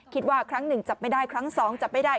คิดว่าครั้งหนึ่งจับไม่ได้ครั้งสองจับไม่ได้